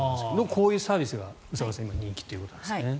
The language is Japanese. こういうサービスが今、人気ということですね。